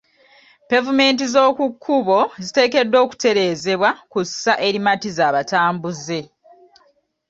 Pevumenti z'oku kkubo ziteekeddwa okutereezebwa ku ssa erimatiza abatambuze.